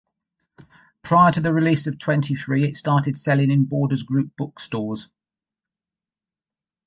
Prior to the release of twenty-three it started selling in Borders Group book stores.